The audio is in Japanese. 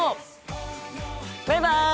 バイバイ！